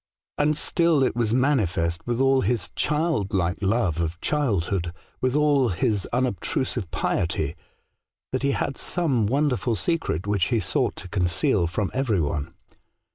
" And still it was manifest, with all his child like love of childhood, with all his unobtrusive piety, that he had some wonderful secret which he sought to conceal from every one.